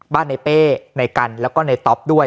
ในเป้ในกันแล้วก็ในต๊อปด้วย